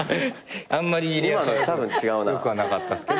あんまりリアクション良くはなかったっすけど。